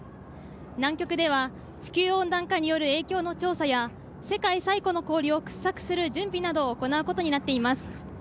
南極では地球温暖化による影響の調査や世界最古の氷を掘削する準備などを行うことにしています。